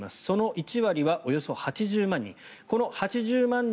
その１割はおよそ８０万人この８０万